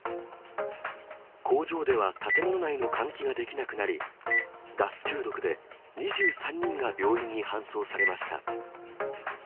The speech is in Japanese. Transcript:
工場では建物内の換気ができなくなり、ガス中毒で２３人が病院に搬送されました。